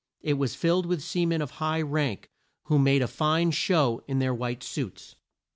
It was filled with sea men of high rank, who made a fine show in their white suits.